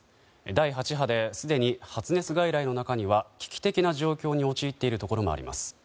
第８波ですでに発熱外来の中には危機的な状況に陥っているところもあります。